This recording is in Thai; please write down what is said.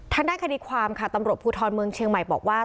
ทางด้านคดีความค่ะตำรวจภูทรเมืองเชียงใหม่บอกว่า